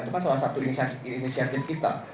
itu kan salah satu inisiatif kita